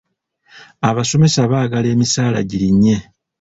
Abasomesa baagala emisaala girinnye.